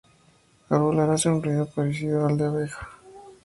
Al volar hace un ruido parecido al de la abeja.